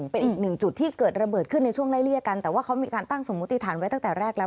เป็นอีกหนึ่งจุดที่เกิดระเบิดขึ้นในช่วงไล่เลี่ยกันแต่ว่าเขามีการตั้งสมมุติฐานไว้ตั้งแต่แรกแล้ว